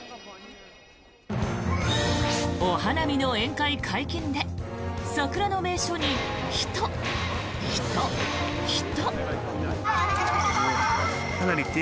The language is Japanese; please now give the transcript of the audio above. お花見の宴会解禁で桜の名所に人、人、人。